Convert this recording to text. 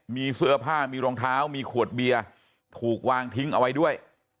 มีเสื้อผ้ามีรองเท้ามีขวดเบียร์ถูกวางทิ้งเอาไว้ด้วย